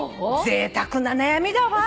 ぜいたくな悩みだわ。